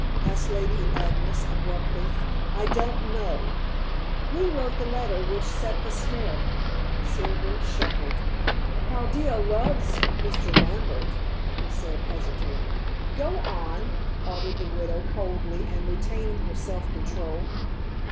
asked Lady Agnes abruptly. "I don't know." "Who wrote the letter which set the snare?" Silver shuffled. "Chaldea loves Mr. Lambert," he said hesitating. "Go on," ordered the widow coldly and retaining her self control.